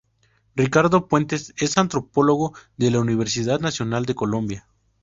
Ricardo Puentes es antropólogo de la Universidad Nacional de Colombia.